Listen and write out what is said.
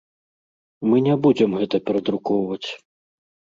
Мы не будзем гэта перадрукоўваць.